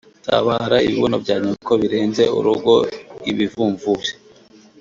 Tabara ibibuno bya nyoko birenze urugo-Ibivumvuri.